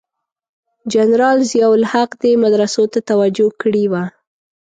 جنرال ضیأ الحق دې مدرسو ته توجه کړې وه.